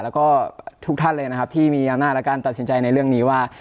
แล้วก็ทุกท่านเลยนะครับที่มีอำนาจและการตัดสินใจในเรื่องนี้ว่า